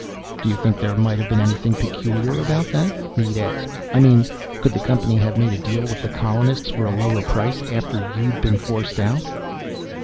"Do you think there might have been anything peculiar about that?" Mead asked. "I mean could the company have made a deal with the colonists for a lower price after you'd been forced out?"